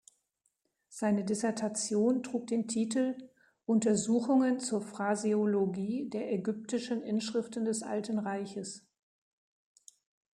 Seine Dissertation trug den Titel "Untersuchungen zur Phraseologie der ägyptischen Inschriften des Alten Reiches".